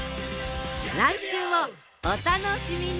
来週もお楽しみに！